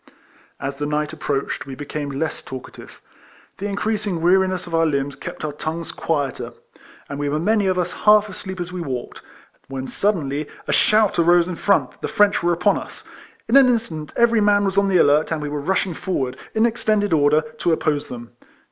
As the night approached we became less talkative. The increasing weariness of our limbs kept our tongues quieter, and we were many of us half asleep as we walked, when suddenly a shout arose in front that the French were upon us. In an instant every man was on the alert, and we were rushing forward, in extended order, to oppose them.